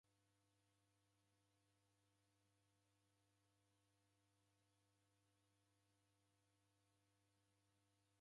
Naw'eghenda mbuw'enyi niende lola mbogha na vijomba veja luma lwa kenyi.